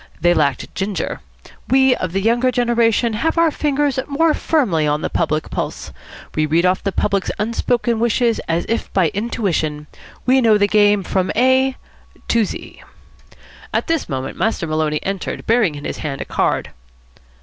They lacked ginger. We of the younger generation have our fingers more firmly on the public pulse. We read off the public's unspoken wishes as if by intuition. We know the game from A to Z." At this moment Master Maloney entered, bearing in his hand a card.